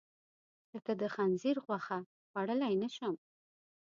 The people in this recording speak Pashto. لکه د خنځیر غوښه، خوړلی نه شم.